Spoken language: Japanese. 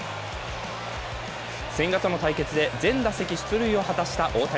千賀との対決で全打席出塁を果たした大谷。